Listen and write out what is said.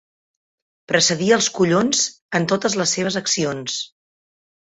Precedí els collons en totes les teves accions.